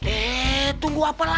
eh tunggu apa lagi